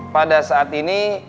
pada saat ini